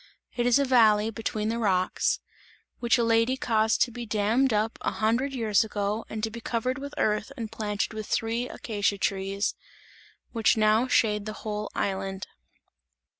It is a valley between the rocks, which a lady caused to be dammed up a hundred years ago and to be covered with earth and planted with three acacia trees, which now shade the whole island.